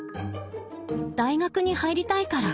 大学に入りたいから。